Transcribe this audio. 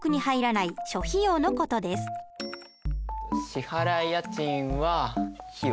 支払家賃は費用？